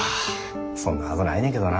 そんなはずないねんけどな。